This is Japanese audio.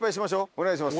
お願いします。